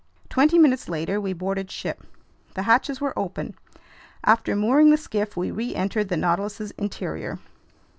Twenty minutes later we boarded ship. The hatches were open. After mooring the skiff, we reentered the Nautilus's interior.